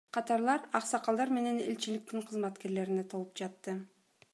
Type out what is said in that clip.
Катарлар аксакалдар менен элчиликтин кызматкерлерине толуп жатты.